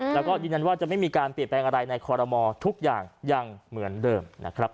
แล้วก็ยืนยันว่าจะไม่มีการเปลี่ยนแปลงอะไรในคอรมอทุกอย่างยังเหมือนเดิมนะครับ